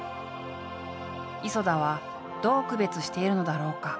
磯田はどう区別しているのだろうか？